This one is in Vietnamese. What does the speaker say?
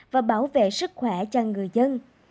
và bảo vệ sức khỏe cho người dân